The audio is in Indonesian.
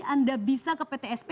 anda bisa ke ptsp